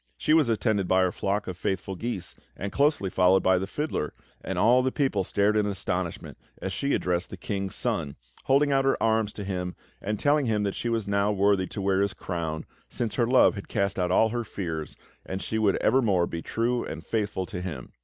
She was attended by her flock of faithful geese, and closely followed by the fiddler; and all the people stared in astonishment as she addressed the King's Son, holding out her arms to him and telling him that she was now worthy to wear his crown, since her love had cast out all her fears, and she would evermore be true and faithful to him.